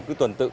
cứ tuần tự